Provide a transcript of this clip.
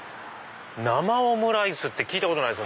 生オムライスって聞いたことない。